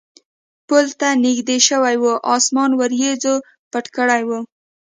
پل ته نږدې شوي و، اسمان وریځو پټ کړی و.